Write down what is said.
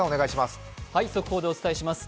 速報でお伝えします。